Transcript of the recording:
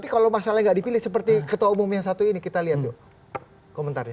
kalau enggak dipilih seperti ketua umum yang satu ini kita lihat yuk komentarnya